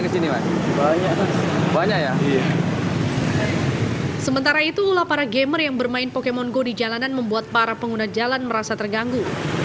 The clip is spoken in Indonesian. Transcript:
sementara itu ulah para gamer yang bermain pokemon go di jalanan membuat para pengguna jalan merasa terganggu